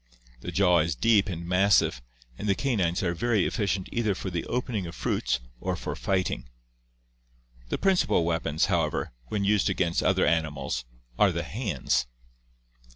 The jaw is deep and mas sive, and the canines are very efficient either for the opening of fruits or for fighting. The principal weapons, however, when used against other animals, are the hands.